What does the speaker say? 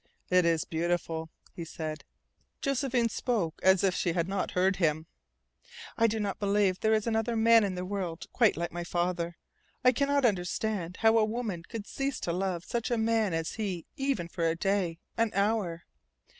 "It is beautiful," he said. Josephine spoke as if she had not heard him. "I do not believe there is another man in the world quite like my father. I cannot understand how a woman could cease to love such a man as he even for a day an hour.